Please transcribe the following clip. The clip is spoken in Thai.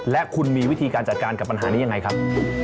และคุณมีวิธีการจัดการกับปัญหานี้ยังไงครับ